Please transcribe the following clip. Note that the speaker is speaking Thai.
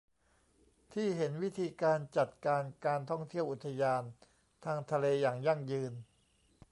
ที่เห็นวิธีการจัดการการท่องเที่ยวอุทยานทางทะเลอย่างยั่งยืน